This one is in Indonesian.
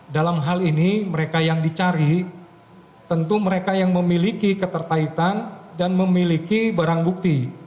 dalam hal ini mereka yang dicari tentu mereka yang memiliki keterkaitan dan memiliki barang bukti